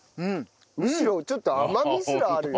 むしろちょっと甘みすらあるよ。